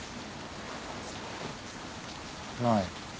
ない。